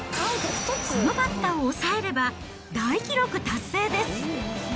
このバッターを抑えれば、大記録達成です。